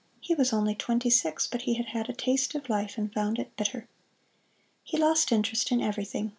He was only twenty six, but he had had a taste of life and found it bitter. He lost interest in everything.